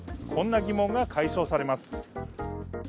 こんな疑問が解消されます。